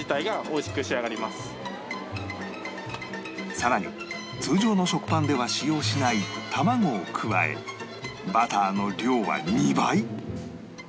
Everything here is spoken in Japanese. さらに通常の食パンでは使用しない卵を加えバターの量は２倍